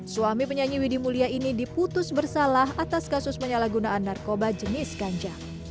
suami penyanyi widhi mulia ini diputus bersalah atas kasus penyalahgunaan narkoba jenis ganja